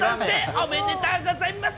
おめでとうございます。